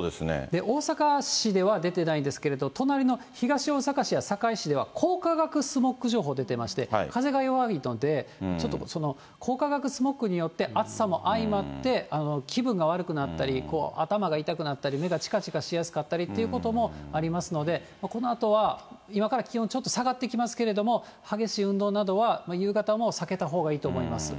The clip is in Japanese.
大阪市では出てないんですけれども、隣の東大阪市や堺市では光化学スモッグ情報出ていまして、風が弱いので、ちょっと光化学スモッグによって、暑さも相まって気分が悪くなったり、頭が痛くなったり、目がちかちかしやすくなったりとかありますので、このあとは今から気温ちょっと下がっていきますけれども、激しい運動などは夕方も避けたほうがいいと思います。